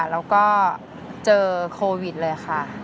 แล้วก็เจอโควิดเลยค่ะ